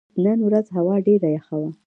نن ورځ هوا ډېره یخه وه.